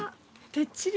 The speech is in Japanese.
てっちり